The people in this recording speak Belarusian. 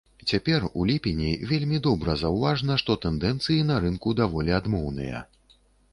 Цяпер, у ліпені, вельмі добра заўважна, што тэндэнцыі на рынку даволі адмоўныя.